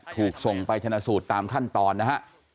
ถูกส่งไปชนะสูตรตามขั้นตอนนะฮะ